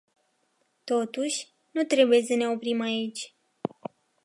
Totuși, nu trebuie să ne oprim aici.